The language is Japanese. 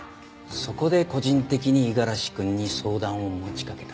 そこで個人的に五十嵐くんに相談を持ちかけたんだな。